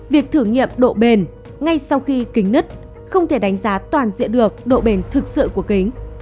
việc thử nghiệm độ bền ngay sau khi kính nứt không thể đánh giá toàn diện được độ bền thực sự của kính